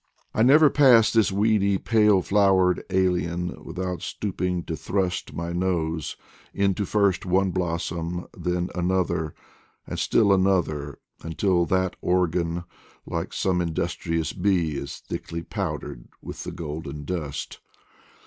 I never pass this weedy, pale flowered alien without stooping to thrust my nose into first one blossom then another, and still another, until that organ, like some industrious bee, is thickly pow dered with the golden dust.